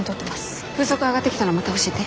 風速上がってきたらまた教えて。